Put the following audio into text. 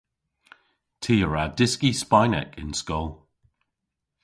Ty a wra dyski Spaynek yn skol.